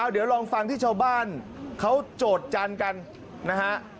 เดี๋ยวลองฟังที่ชาวบ้านเขาโจทย์จันทร์กันนะฮะ